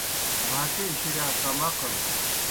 بھاکے شِرِیا کم عقل